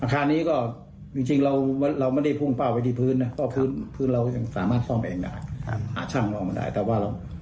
ฟังเสียงพออำหน่อยค่ะ